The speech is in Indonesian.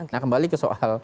nah kembali ke soal